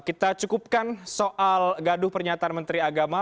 kita cukupkan soal gaduh pernyataan menteri agama